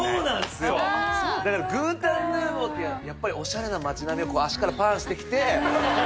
だから「グータンヌーボ」ってやっぱりおしゃれな町並みをこう足からパンしてきて。